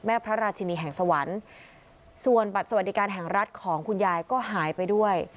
พระราชินีแห่งสวรรค์ส่วนบัตรสวัสดิการแห่งรัฐของคุณยายก็หายไปด้วย